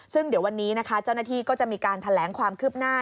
ซึ่งเดี๋ยววันนี้นะคะเจ้าหน้าที่ก็จะมีการแถลงความคืบหน้า